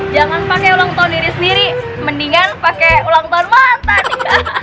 jangan pakai ulang tahun diri sendiri mendingan pakai ulang tahun mata nih